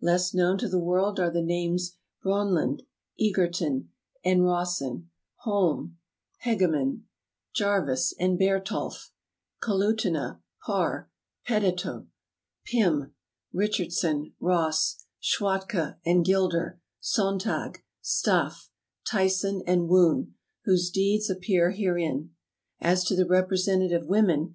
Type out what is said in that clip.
Less known to the world are the names Bronlund, Egerton and Rawson, Holm, Hegemann, V vi Preface Jarvis and Bertholf, Kalutunah, Parr, Petitot, Pirn, Richardson, Ross, Schwatka and Gilder, Sonntag, Staffe, Tyson and Woon, whose deeds appear herein. As to the representative women.